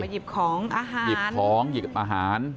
หยิบของอาหารหยิบของหยิบอาหาร